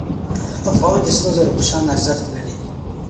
افغان د سرو زرو په شان ارزښت لري.